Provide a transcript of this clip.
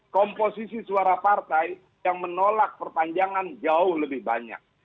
komposisi suara partai yang menolak perpanjangan jauh lebih banyak